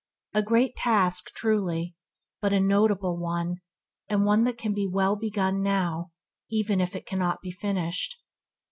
A great task, truly; but a notable, and one that can be well begun now, even if it cannot be finished.